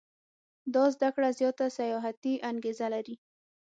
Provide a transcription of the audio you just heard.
دا زده کړه زیاته سیاحتي انګېزه لري.